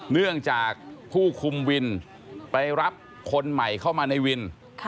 เนื่องจากผู้คุมวินไปรับคนใหม่เข้ามาในวิน